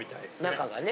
中がね。